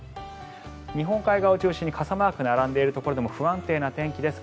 日本海側を中心に傘マークが並んでいるところでも不安定な天気です。